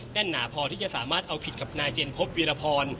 หนาพอที่จะสามารถเอาผิดกับนายเจนพบวีรพร